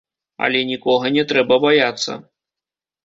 Але нікога не трэба баяцца.